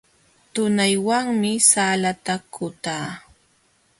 Tunaywanmi salata kutaa.